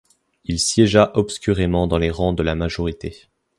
Il siégea obscurément dans les rangs de la majorité.